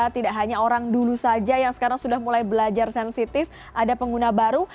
tidak hanya orang dulu saja yang sekarang sudah mulai belajar sensitif ada pengguna baru